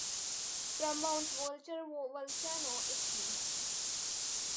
From Mount Vulture vulcano, Italy.